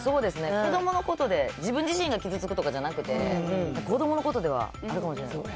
子どものことで、自分自身が傷つくとかじゃなくて、子どものことでは、あるかもしれない。